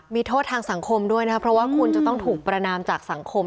มีโทษทางสังคมด้วยนะครับเพราะว่าคุณจะต้องถูกประนามจากสังคม